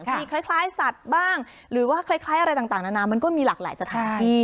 มีคล้ายสัตว์บ้างหรือว่าคล้ายอะไรต่างนานามันก็มีหลากหลายสถานที่